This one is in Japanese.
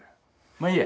まあいいや。